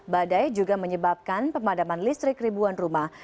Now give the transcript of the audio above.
badai juga menyebabkan pemadaman listrik ribuan rumah